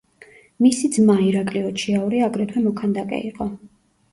მისი ძმა ირაკლი ოჩიაური აგრეთვე მოქანდაკე იყო.